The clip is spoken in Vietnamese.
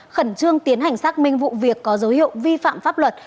khẩn trương tiến hành xác minh vụ việc có dấu hiệu vi phạm pháp luật